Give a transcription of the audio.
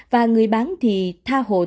và người bán thì thay đổi bóng đá nam